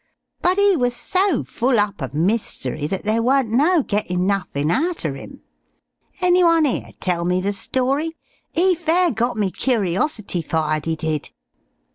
But 'e was so full up of mystery that there weren't no gettin' nuffin out er 'im. Any one 'ere tell me the story? 'E fair got me curiosity fired, 'e did!"